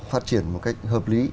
phát triển một cách hợp lý